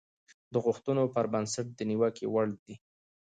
د غوښتنو پر بنسټ د نيوکې وړ دي.